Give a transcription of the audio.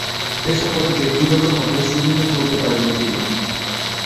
এ সফরে ব্যক্তিগতভাবে সুবিধে করতে পারেননি তিনি।